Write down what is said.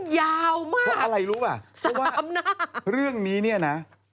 ยาวมากสามหน้าเพราะว่าเรื่องนี้เนี่ยนะ